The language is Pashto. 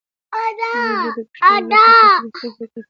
مېلې د کوچنیانو له پاره د تخلیقي فکر پیل يي.